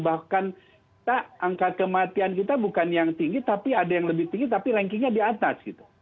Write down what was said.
bahkan kita angka kematian kita bukan yang tinggi tapi ada yang lebih tinggi tapi rankingnya di atas gitu